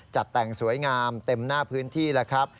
จัดแต่งสวยงามเต็มหน้าพื้นที่แล้วครับ